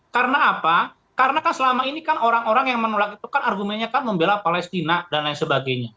karena apa karena kan selama ini kan orang orang yang menolak itu kan argumennya kan membela palestina dan lain sebagainya